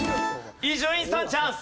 伊集院さんチャンス。